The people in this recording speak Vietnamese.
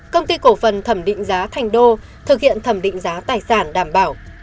công ty cổ phần thẩm định giá thành đô thực hiện thẩm định giá tài sản đảm bảo